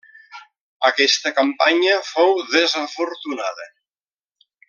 Aquesta campanya fou desafortunada.